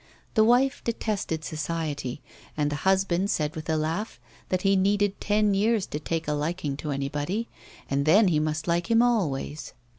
The wife detested society, and the husband said with a laugh that he needed ten years to take a liking to anybody, and then he must like him always.